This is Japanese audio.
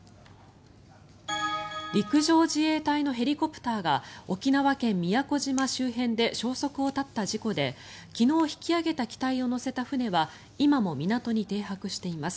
陸上自衛隊のヘリコプターが沖縄県・宮古島周辺で消息を絶った事故で昨日、引き揚げた機体を乗せた船は今も港に停泊しています。